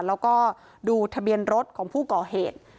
แล้วก็ดูทะเบียนรถของผู้ก่อเหตุ